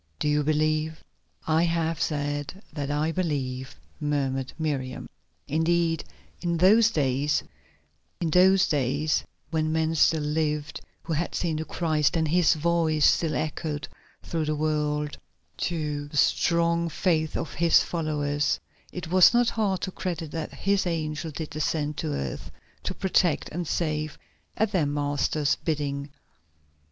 Do you believe?" "I have said that I believe," murmured Miriam. Indeed, in those days when men still lived who had seen the Christ and His voice still echoed through the world, to the strong faith of His followers, it was not hard to credit that His angel did descend to earth to protect and save at their Master's bidding.